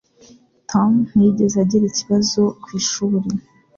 Tom ntiyigeze agira ikibazo ku ishuri